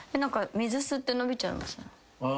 水吸って伸びちゃいません？